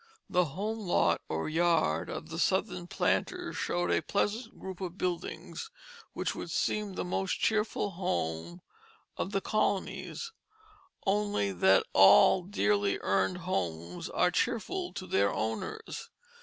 The home lot or yard of the Southern planters showed a pleasant group of buildings, which would seem the most cheerful home of the colonies, only that all dearly earned homes are cheerful to their owners.